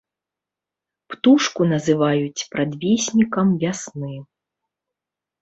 Птушку называюць прадвеснікам вясны.